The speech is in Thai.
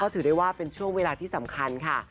ถือได้ว่าเป็นช่วงเวลาที่สำคัญค่ะ